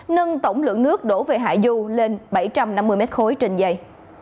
nâng tổng lượng nước đổ về hải du lên bảy trăm năm mươi mét khối trên dây